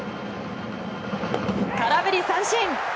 空振り三振。